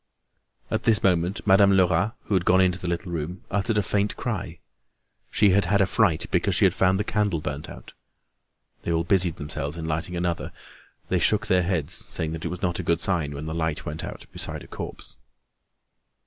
At this moment, Madame Lerat, who had gone into the little room, uttered a faint cry. She had had a fright because she had found the candle burnt out. They all busied themselves in lighting another; they shook their heads, saying that it was not a good sign when the light went out beside a corpse.